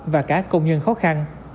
và cả công nhân khó khăn